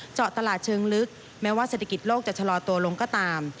เจาะตลาดเชิงลึกแม้ว่าเศรษฐกิจโลกจะชะลอตัวลงก็ตาม